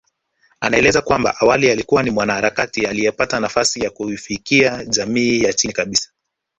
Anaeleza kwamba awali alikuwa ni mwanaharakati aliyepata nafasi ya kuifikia jamii ya chini kabisa